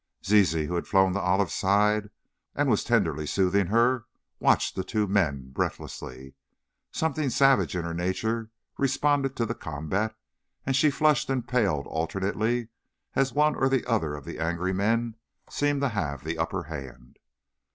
Zizi, who had flown to Olive's side, and was tenderly soothing her, watched the two men, breathlessly. Something savage in her nature responded to the combat, and she flushed and paled alternately as one or the other of the angry men seemed to have the upper hand.